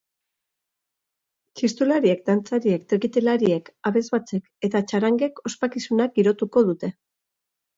Txistulariek, dantzariek, trikitilariek, abesbatzek eta txarangek ospakizuna girotuko dute.